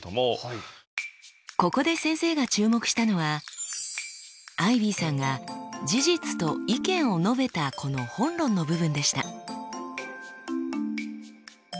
ここで先生が注目したのはアイビーさんが事実と意見を述べたこの本論の部分でした。